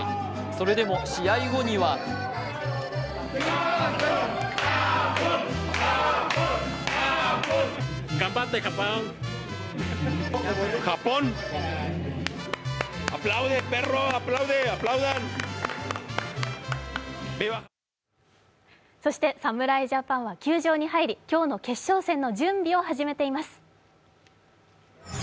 それでも試合後にはそして侍ジャパンは球場に入り、今日の決勝戦の準備を始めています。